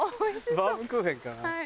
バウムクーヘンかな？